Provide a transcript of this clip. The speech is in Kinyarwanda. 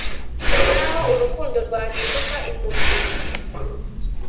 naho urukundo rwahinduka impumyi